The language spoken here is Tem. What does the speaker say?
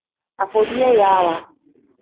Afobiyayaawa.